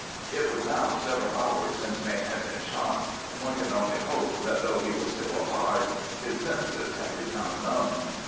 It was now several hours since Mayne had been shot, and one can only hope that, though he was still alive, his senses had become numbed.